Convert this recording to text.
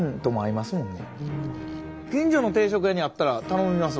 近所の定食屋にあったら頼みますわ